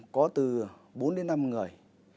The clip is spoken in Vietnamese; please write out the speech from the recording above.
có từ bốn đến năm người